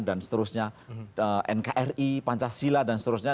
dan seterusnya nkri pancasila dan seterusnya